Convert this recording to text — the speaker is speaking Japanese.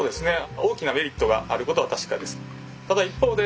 大きなメリットがあることは確かです。